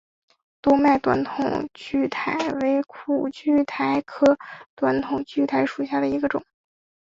多脉短筒苣苔为苦苣苔科短筒苣苔属下的一个种。